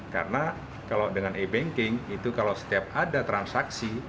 karena kalau dengan e banking itu kalau setiap ada transaksi